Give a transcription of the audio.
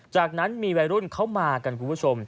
จากนั้นมีวัยรุ่นเขามากันคุณผู้ชม